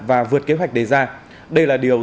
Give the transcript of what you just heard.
và vượt kế hoạch đề ra đây là điều